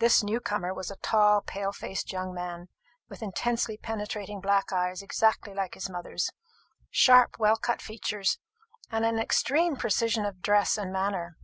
This new comer was a tall pale faced young man, with intensely penetrating black eyes exactly like his mother's, sharp well cut features, and an extreme precision of dress and manner.